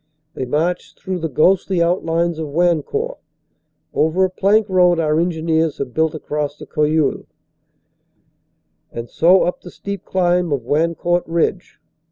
They march through the ghostly outlines of Wan court, over a plank road our engineers have built across the Cojeul, and so up the steep climb of Wancourt Ridge.